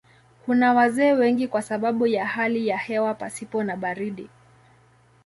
Kuna wazee wengi kwa sababu ya hali ya hewa pasipo na baridi.